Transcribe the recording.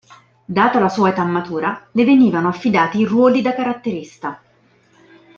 Data la sua età matura, le venivano affidati ruoli da caratterista.